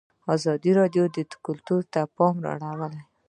ازادي راډیو د کلتور ته پام اړولی.